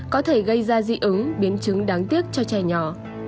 có thể gây ra dị ứng biến chứng đáng tiếc cho trẻ nhỏ